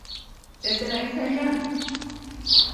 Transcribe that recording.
Ez dela hain zaila?